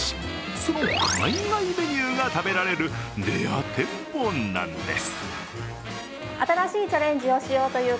その海外メニューが食べられるレア店舗なんです。